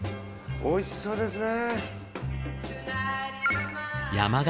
美味しそうですね。